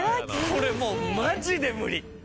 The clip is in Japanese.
これもうマジで無理。